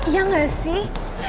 iya gak sih